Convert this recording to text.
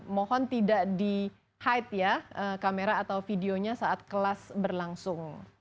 mohon tidak di hide ya kamera atau videonya saat kelas berlangsung